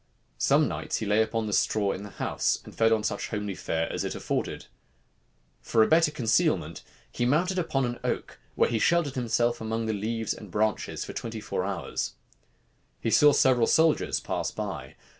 Some nights he lay upon straw in the house, and fed on such homely fare as it afforded. For a better concealment, he mounted upon an oak, where he sheltered himself among the leaves and branches for twenty four hours. He saw several soldiers pass by.